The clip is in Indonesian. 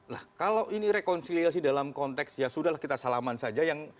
nah kalau ini rekonsiliasi dalam konteks ya sudah lah kita salaman saja yang